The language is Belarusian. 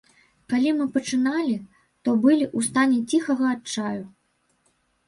Калі мы пачыналі, то былі ў стане ціхага адчаю.